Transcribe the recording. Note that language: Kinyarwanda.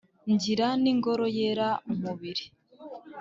ngira n'ingoro yera umubiri